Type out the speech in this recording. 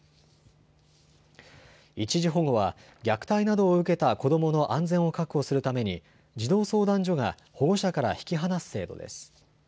一時保護は虐待などを受けた子どもの安全を確保するために児童相談所が保護者から引き離す制度です。